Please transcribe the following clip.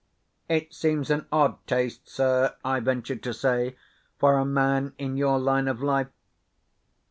"It seems an odd taste, sir," I ventured to say, "for a man in your line of life."